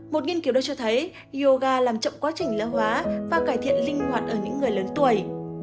một nghiên cứu đây cho thấy yoga làm chậm quá trình lão hóa và cải thiện linh hoạt ở những người lớn tuổi